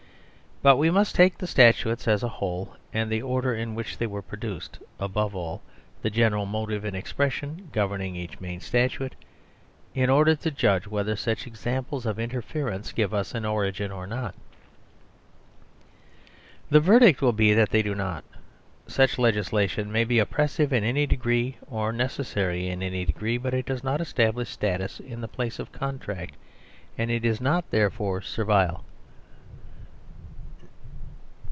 But we must take the statutes as a whole and the order in which they were produced, above all, the general motive and expres sions governing each main statute, in order to judge whether such examples of interference give us an origin or not The verdict will be that they do not. Such legis lation may be oppressive in any degree or necessary in any degree, but it does not establish status in the place of contract, and it is not, therefore, servile.